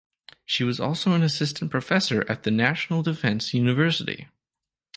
She was also an assistant professor at the National Defense University.